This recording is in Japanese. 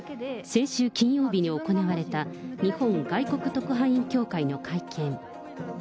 先週金曜日に行われた日本外国特派員協会の会見。